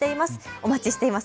お待ちしています。